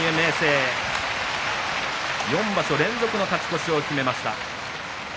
４場所連続の勝ち越しを決めました。